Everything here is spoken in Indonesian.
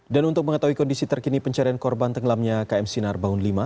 dan untuk mengetahui kondisi terkini pencarian korban tenggelamnya km sinar bangun v